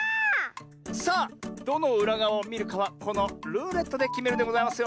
さあどのうらがわをみるかはこのルーレットできめるんでございますよ。